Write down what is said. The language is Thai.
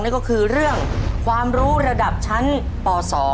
นั่นก็คือเรื่องความรู้ระดับชั้นป๒